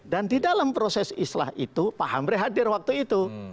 dan di dalam proses islah itu pak hamre hadir waktu itu